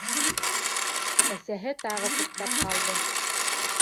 Әсәһе тағы туҡтап ҡалды.